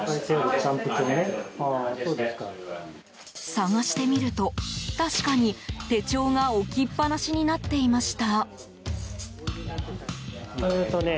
探してみると、確かに手帳が置きっぱなしになっていました。